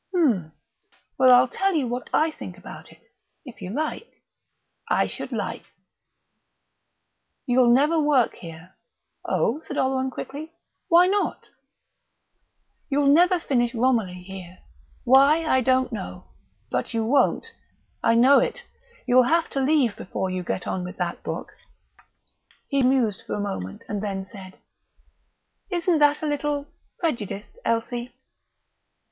"Hm!... Well, I'll tell you what I think about it, if you like." "I should like." "You'll never work here." "Oh?" said Oleron quickly. "Why not?" "You'll never finish Romilly here. Why, I don't know, but you won't. I know it. You'll have to leave before you get on with that book." He mused for a moment, and then said: "Isn't that a little prejudiced, Elsie?"